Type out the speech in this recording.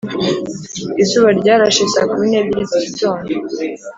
izuba ryarashe saa kumi nebyiri zigitondo